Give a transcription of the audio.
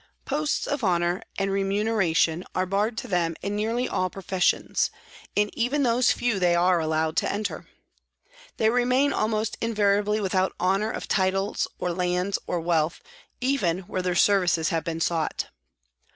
Posts of honour and remuneration are barred to them in nearly all professions, in even those few they are allowed to enter. They remain almost invariably without honour of titles or lands or wealth, even where their services have been sought.